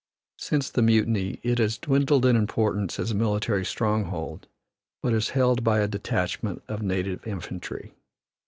Since the mutiny it has dwindled in importance as a military stronghold, but is held by a detachment of native infantry.